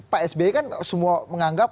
pak sby kan semua menganggap